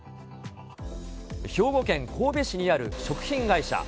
兵庫県神戸市にある食品会社。